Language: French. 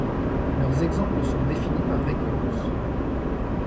Leurs exemples sont définis par récurrence.